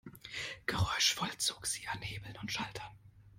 Geräuschvoll zog sie an Hebeln und Schaltern.